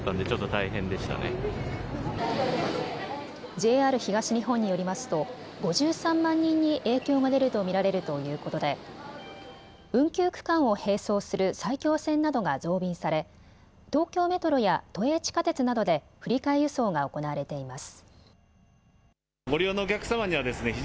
ＪＲ東日本によりますと５３万人に影響が出ると見られるということで運休区間を並走する埼京線などが増便され東京メトロや都営地下鉄などで振り替え輸送が行われています。